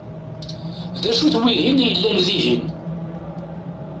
D acu-t wihin i yellan dihin?